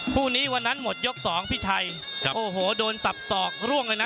พี่น้องอ่ะพี่น้องอ่ะพี่น้องอ่ะ